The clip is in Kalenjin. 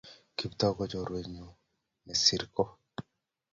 Kiptoo kochorwet nyun nesir ko